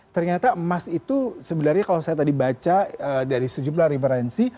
ternyata emas itu sebenarnya kalau saya tadi baca dari sejumlah referensi